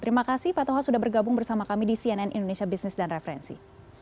terima kasih pak toha sudah bergabung bersama kami di cnn indonesia business dan referensi